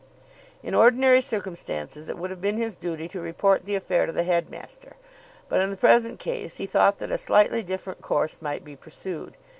In ordinary circumstances it would have been his duty to report the affair to the headmaster but in the present case he thought that a slightly different course might be pursued.